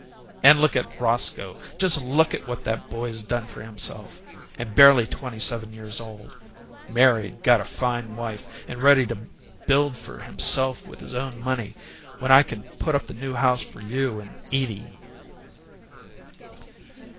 And look at Roscoe; just LOOK at what that boy's done for himself, and barely twenty seven years old married, got a fine wife, and ready to build for himself with his own money, when I put up the New House for you and Edie."